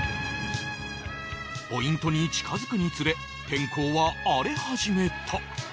ポイントに近付くにつれ天候は荒れ始めた